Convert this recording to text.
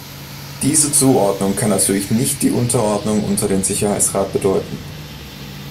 Diese Zuordnung kann natürlich nicht die Unterordnung unter den Sicherheitsrat bedeuten.